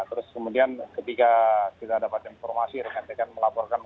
terus kemudian ketika kita dapat informasi rekan rekan melaporkan